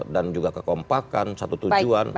dan juga kekompakan satu tujuan